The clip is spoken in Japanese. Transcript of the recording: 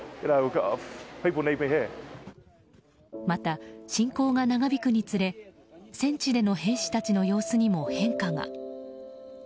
また、侵攻が長引くにつれ戦地での兵士たちの様子にも変化が。